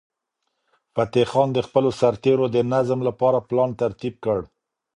فتح خان د خپلو سرتیرو د نظم لپاره پلان ترتیب کړ.